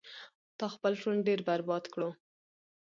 تا خپل ژوند ډیر برباد کړو